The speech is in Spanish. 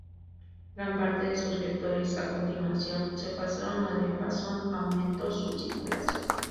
Gran parte de sus lectores, a continuación, se pasaron a "Diapason", aumento su circulación.